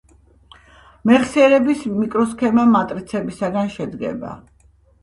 მეხსიერების მიკროსქემა მატრიცებისგან შედგება